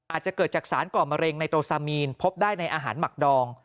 อาจจะเกิดจากสารก่อมะเร็งในโรซามีนพบได้ในอาหารหมักดอง